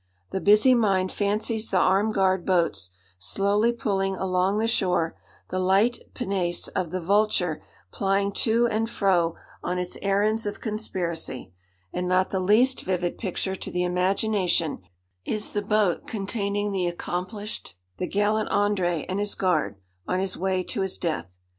The busy mind fancies the armed guard boats, slowly pulling along the shore; the light pinnace of the Vulture plying to and fro on its errands of conspiracy; and not the least vivid picture to the imagination, is the boat containing the accomplished, the gallant André and his guard, on his way to his death.